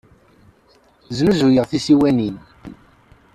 Snuzuyeɣ tisiwanin.